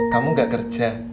kamu gak kerja